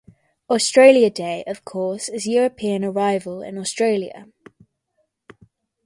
Australia Day of course is European arrival in Australia.